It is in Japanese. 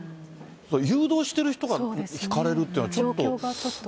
誘導してる人がひかれるというのはちょっと。